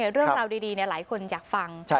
เรื่องราวดีหลายคนอยากฟัง